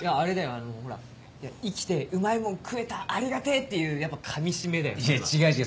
あのほら「生きてうまいもん食えたありがてぇ」っていうやっぱかみしめだよそれは。